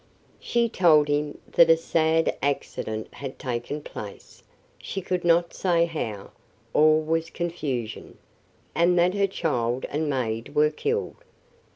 She told him that a sad accident had taken place; she could not say how; all was confusion; and that her child and maid were killed.